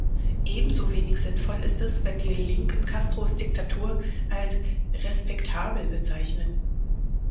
Ebenso wenig sinnvoll ist es, wenn die Linken Castros Diktatur als "respektabel" bezeichnen.